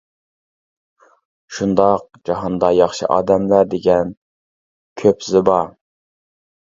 -شۇنداق، جاھاندا ياخشى ئادەملەر دېگەن كۆپ زىبا.